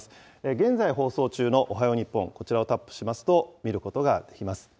現在放送中のおはよう日本、こちらをタップしますと見ることができます。